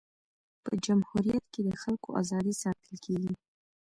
په جمهوریت کي د خلکو ازادي ساتل کيږي.